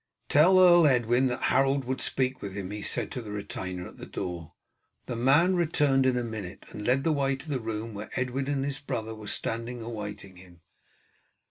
"Tell Earl Edwin that Harold would speak with him," he said to the retainer at the door. The man returned in a minute, and led the way to the room where Edwin and his brother were standing awaiting him.